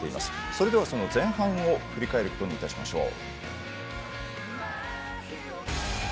それでは、その前半を振り返ることにいたしましょう。